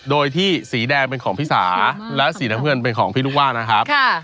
โดยที่สีแดงเป็นของพี่สาและสีน้ำเงินเป็นของพี่ลูกว่านะครับ